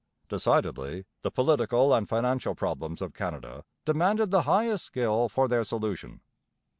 Decidedly the political and financial problems of Canada demanded the highest skill for their solution.